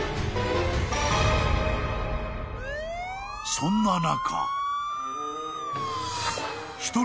［そんな中］